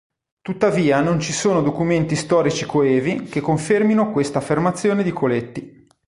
Tuttavia non ci sono documenti storici coevi che confermino questa affermazione di Coletti.